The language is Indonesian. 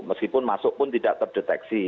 meskipun masuk pun tidak terdeteksi